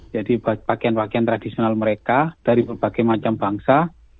jadi pakaian pakaian tradisional mereka dari berbagai macam bangsa